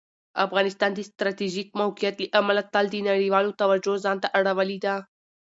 افغانستان د ستراتیژیک موقعیت له امله تل د نړیوالو توجه ځان ته اړولي ده.